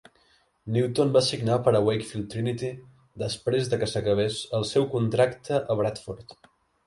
Newton va signar per a Wakefield Trinity després de que s'acabés el seu contracte a Bradford.